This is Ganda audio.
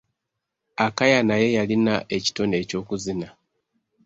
Akaya naye yalina ekitone eky'okuzina.